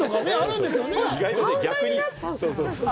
意外と逆に。